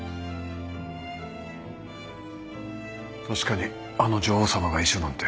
確かにあの女王様が遺書なんて。